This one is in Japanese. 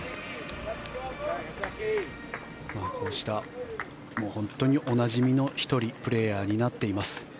こうした、おなじみの１人プレーヤーになっています。